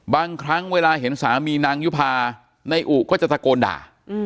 บางครั้งเวลาเห็นสามีนางยุภานายอุก็จะตะโกนด่า